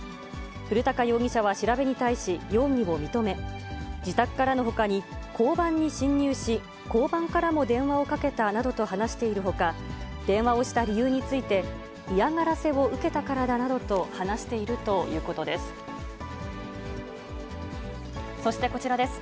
古高容疑者は調べに対し容疑を認め、自宅からのほかに、交番に侵入し、交番からも電話をかけたなどと話しているほか、電話をした理由について、嫌がらせを受けたからだなどと話しているということです。